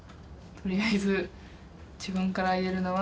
取りあえず自分から言えるのは。